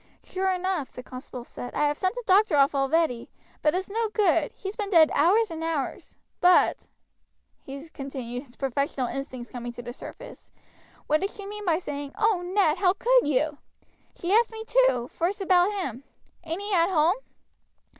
"Sure enough," the constable said. "I have sent the doctor off already, but it's no good, he's been dead hours and hours. But," he continued, his professional instincts coming to the surface, "what did she mean by saying, 'Oh, Ned, how could you!' She asked me, too, first about him; ain't he at home?"